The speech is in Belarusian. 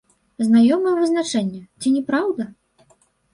Знаёмае вызначэнне, ці не праўда?